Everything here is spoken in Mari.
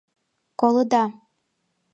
Колыда!..